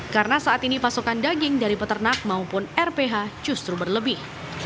karena saat ini pasokan daging dari peternak maupun rph justru berlebih